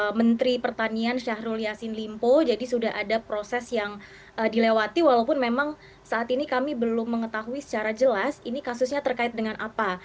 pak menteri pertanian syahrul yassin limpo jadi sudah ada proses yang dilewati walaupun memang saat ini kami belum mengetahui secara jelas ini kasusnya terkait dengan apa